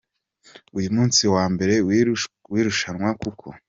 uyu munsi wa mbere w’irushanwa kuko